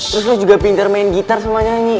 terus lo juga pinter main gitar sama nyanyi